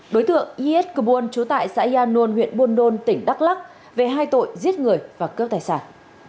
đối tượng y s cửu buôn trú tại xã yà nôn huyện buôn đôn tỉnh đắk lắc về hai tội giết người và cướp tài sản